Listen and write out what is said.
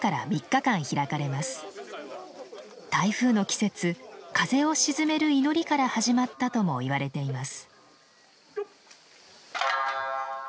台風の季節風を鎮める祈りから始まったともいわれています。